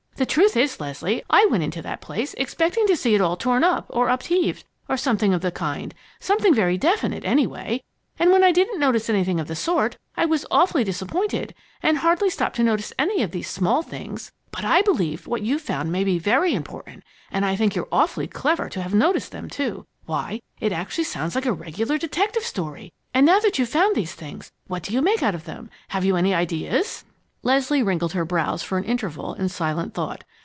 "The truth is, Leslie, I went into that place expecting to see it all torn up or upheaved or something of the kind something very definite, anyway. And when I didn't find anything of the sort, I was awfully disappointed and hardly stopped to notice any of these small things. But I believe what you've found may be very important, and I think you're awfully clever to have noticed them, too. Why, it actually sounds like a regular detective story! And now that you've found these things, what do you make out of them? Have you any ideas?" Leslie wrinkled her brows for an interval in silent thought.